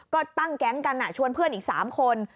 ก็ตั้งแก๊งกันชวนเพื่อนอีก๓คน